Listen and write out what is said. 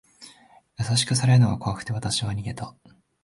優しくされるのが怖くて、わたしは逃げた。